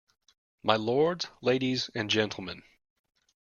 My lords, ladies and gentlemen.